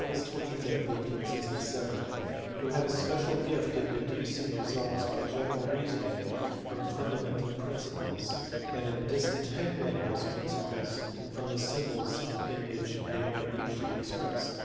25, 1867, who had a special gift in deducing results by general reasoning from fundamental principles, and in disentangling those principles from the symbols in which they are usually expressed.